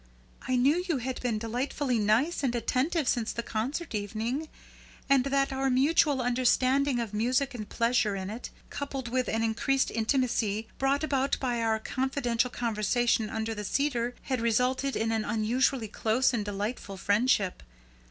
I knew you had been delightfully nice and attentive since the concert evening, and that our mutual understanding of music and pleasure in it, coupled with an increased intimacy brought about by our confidential conversation under the cedar, had resulted in an unusually close and delightful friendship.